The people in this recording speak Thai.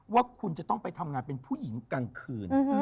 ว่าคุณจะต้องไปทำงานเป็นผู้หญิงกลางคืน